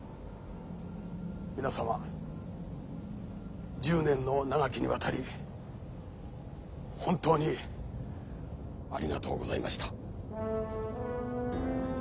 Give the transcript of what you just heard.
皆様１０年の長きにわたり本当にありがとうございました。